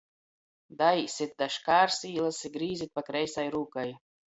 Daīsit da škārsīlys i grīzit pa kreisai rūkai!